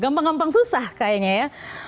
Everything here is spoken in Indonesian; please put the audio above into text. gampang gampang susah kayaknya ya